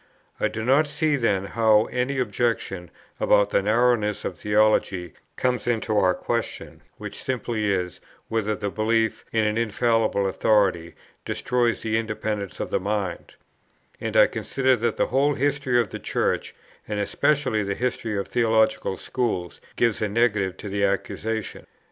I do not see then how any objection about the narrowness of theology comes into our question, which simply is, whether the belief in an infallible authority destroys the independence of the mind; and I consider that the whole history of the Church, and especially the history of the theological schools, gives a negative to the accusation.